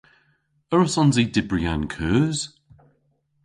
A wrussons i dybri an keus?